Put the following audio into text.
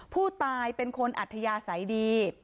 ผู้ตายเป็นคนอัธยาศัยดี